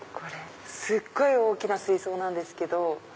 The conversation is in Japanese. すっごい大きな水槽なんですけど。